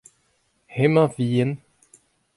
Hemañ vihan.